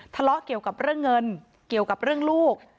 ทะเลาะเกี่ยวกับเรื่องเงินเกี่ยวกับเรื่องลูก